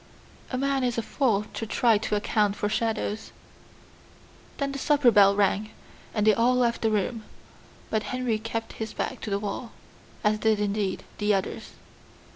"A man is a fool to try to account for shadows." Then the supper bell rang, and they all left the room, but Henry kept his back to the wall as did, indeed, the others.